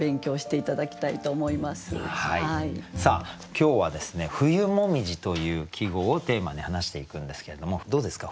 今日はですね「冬紅葉」という季語をテーマに話していくんですけれどもどうですか？